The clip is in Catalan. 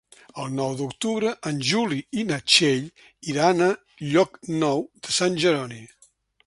El nou d'octubre en Juli i na Txell iran a Llocnou de Sant Jeroni.